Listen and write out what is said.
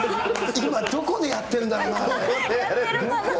今どこでやってんだろうな、あれ。